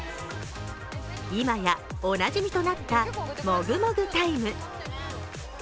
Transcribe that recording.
今やおなじみとなったもぐもぐタイム。